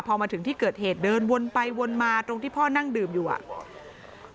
พอมาถึงที่เกิดเหตุเดินวนไปวนมาตรงที่พ่อนั่งดื่มอยู่อ่ะ